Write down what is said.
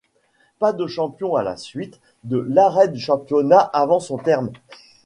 Pas de champion à la suite de l'arrêt du championnat avant son terme.